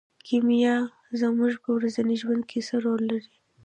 کیمیا زموږ په ورځني ژوند کې څه رول لري.